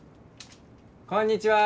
こんにちは！